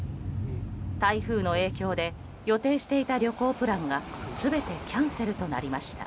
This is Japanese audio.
台風の影響で予定していた旅行プランが全てキャンセルとなりました。